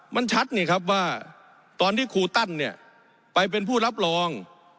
มันชัดนี่ครับว่าตอนที่ครูตั้นเนี่ยไปเป็นผู้รับรอง